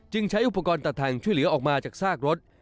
ใช้อุปกรณ์ตัดทางช่วยเหลือออกมาจากซากรถ